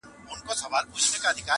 لکه جوړه له بلوړو مرغلینه-